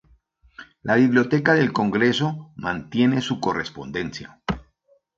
La Biblioteca del Congreso mantiene su correspondencia.